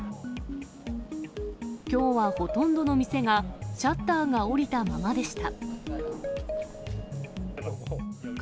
きょうはほとんどの店がシャッターが下りたままでした。